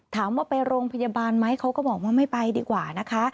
ถามว่าไปโรงพยาบาลไหมเขาก็บอกว่าไม่ไปดีกว่านะคะ